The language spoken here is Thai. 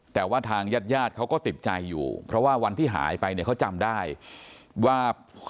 แต่ว่าทางญาติญาติเขาก็ติดใจอยู่เพราะว่าวันที่หายไปเนี่ยเขาจำได้ว่า